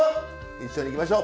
一緒にいきましょう。